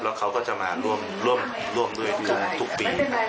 แล้วเขาก็จะมาร่วมร่วมร่วมด้วยร่วมด้วยทุกปีครับ